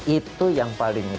itu yang paling utama